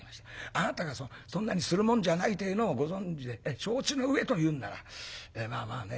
あなたがそんなにするもんじゃないってえのをご存じで承知の上というんならまあまあ